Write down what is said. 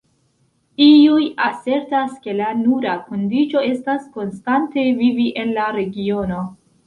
Iuj asertas ke la nura kondiĉo estas konstante vivi en la regiono.